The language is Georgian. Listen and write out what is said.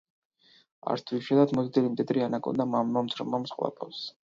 არც თუ იშვიათად მოზრდილი მდედრი ანაკონდა, მომცრო მამრს ყლაპავს.